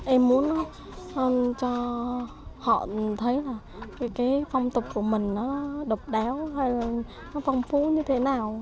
em muốn hơn cho họ thấy là cái phong tục của mình nó độc đáo hay nó phong phú như thế nào